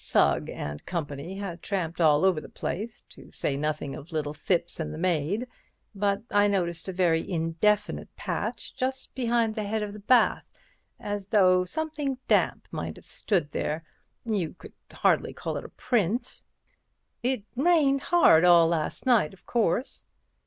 Sugg & Co. had tramped all over the place, to say nothing of little Thipps and the maid, but I noticed a very indefinite patch just behind the head of the bath, as though something damp might have stood there. You could hardly call it a print." "It rained hard all last night, of course."